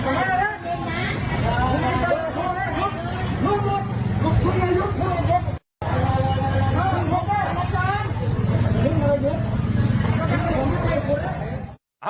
จัดกระบวนพร้อมกัน